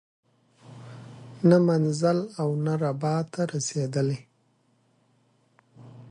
نه منزل او نه رباط ته رسیدلی